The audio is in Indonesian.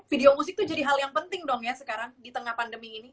video musik itu jadi hal yang penting dong ya sekarang di tengah pandemi ini